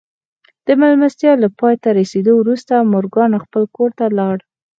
د مېلمستيا له پای ته رسېدو وروسته مورګان خپل کور ته ولاړ.